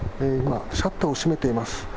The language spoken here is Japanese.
今、シャッターを閉めています。